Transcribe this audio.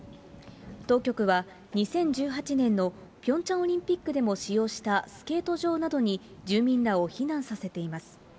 当局は、２０１８年のピョンチャンオリンピックでも使用したスケート場などに住民らを避難させています。